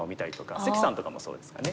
関さんとかもそうですかね。